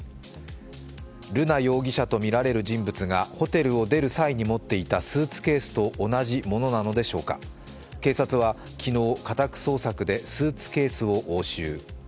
瑠奈容疑者とみられる人物がホテルを出る際に持っていたスーツケースと同じものなのでしょうか、警察は昨日、家宅捜索でスーツケースを押収。